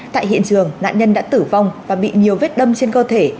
tại hiện trường nạn nhân đã tử vong và bị nhiều vết đâm trên cơ thể